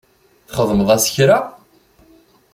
Txdem-as kra?